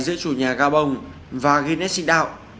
giữa chủ nhà gabon và guinness seed out